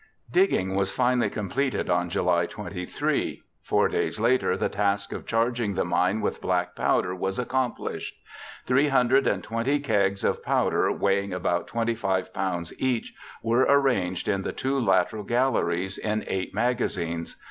Digging was finally completed on July 23. Four days later the task of charging the mine with black powder was accomplished. Three hundred and twenty kegs of powder weighing about 25 pounds each were arranged in the two lateral galleries in eight magazines.